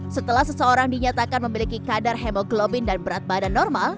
setelah seseorang dinyatakan memiliki kadar hemoglobin dan berat badan normal